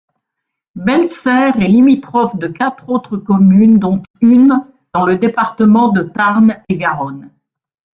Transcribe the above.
Bellesserre est limitrophe de quatre autres communes dont une dans le département de Tarn-et-Garonne.